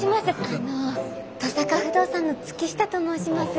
あの登坂不動産の月下と申します。